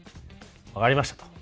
「わかりました」と。